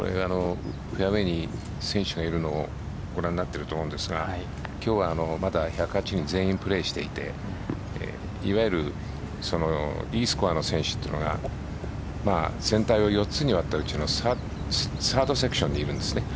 フェアウェイに選手がいるのをご覧になっていると思うんですが今日はまだ１０８人全員プレーしていていわゆるいいスコアの選手というのが全体を４つに分けたうちのサードセクションにいるんです。